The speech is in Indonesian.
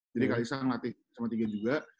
jadi kalisa ngelatih sma tiga juga